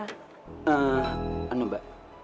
eh anu mbak